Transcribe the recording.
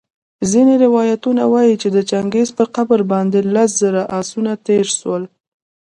ځیني روایتونه وايي چي د چنګیز په قبر باندي لس زره آسونه تېرسول